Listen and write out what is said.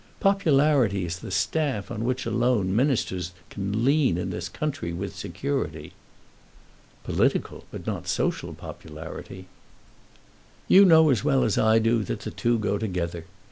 Popularity is the staff on which alone Ministers can lean in this country with security." "Political but not social popularity." "You know as well as I do that the two go together.